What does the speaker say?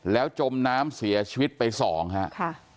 แล้วจมน้ำเสียชีวิตไปสองครับ